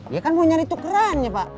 iya kan punya itu kerennya pak